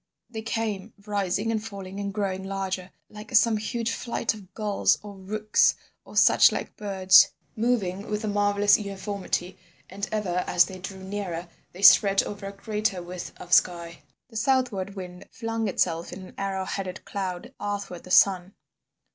They came, rising and falling and growing larger, like some huge flight of gulls or rooks or such like birds, moving with a marvellous uniformity, and ever as they drew nearer they spread over a greater width of sky. The southward wind flung itself in an arrow headed cloud athwart the sun.